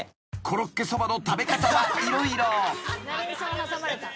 ［コロッケそばの食べ方は色々］